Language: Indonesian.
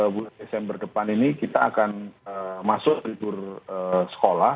bulan desember depan ini kita akan masuk fitur sekolah